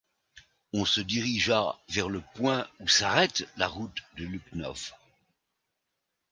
On se dirigea vers le point où s’arrête la route de Lucknow.